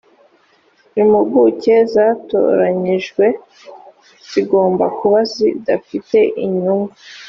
impuguke zatoranijwe zigomba kuba zidafite inyungu